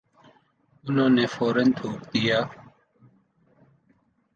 انہوں نے فورا تھوک دیا ۔